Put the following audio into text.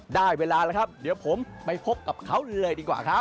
ได้เวลาแล้วครับเดี๋ยวผมไปพบกับเขาเลยดีกว่าครับ